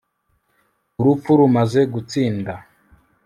Urupfu rumaze gutsinda